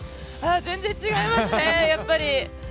全然違いますね、やっぱり。